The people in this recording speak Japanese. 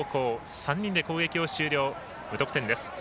３人で攻撃を終了、無得点です。